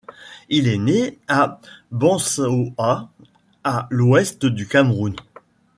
Il est né à Bansoa à l'Ouest du Cameroun.